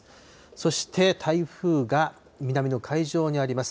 そして台風が南の海上にあります。